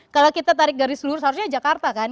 kalau kita tarik dari seluruh seharusnya jakarta kan